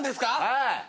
はい。